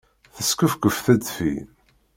Teskefkuf tedfi.